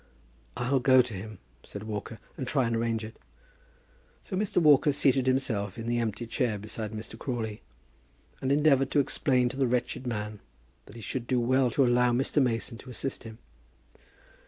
"I'll go to him," said Walker, "and try to arrange it." So Mr. Walker seated himself in the empty chair beside Mr. Crawley, and endeavoured to explain to the wretched man, that he would do well to allow Mr. Mason to assist him.